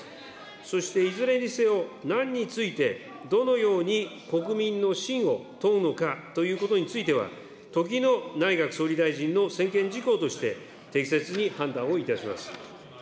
そしていずれにせよ、なんについて、どのように国民の信を問うのかということについては、時の内閣総理大臣の専権事項として適切に判断をいたします。